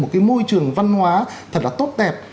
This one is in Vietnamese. một cái môi trường văn hóa thật là tốt đẹp